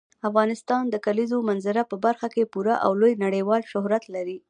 افغانستان د کلیزو منظره په برخه کې پوره او لوی نړیوال شهرت لري.